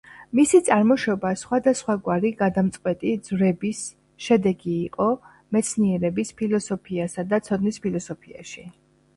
მისი წარმოშობა სხვადასხვაგვარი გადამწყვეტი ძვრების შედეგი იყო მეცნიერების ფილოსოფიასა და ცოდნის ფილოსოფიაში.